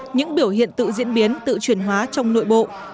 những biểu hiện tự diễn biến tự chuyển hóa trong nội bộ